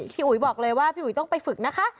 อุ๋ยบอกเลยว่าพี่อุ๋ยต้องไปฝึกนะคะ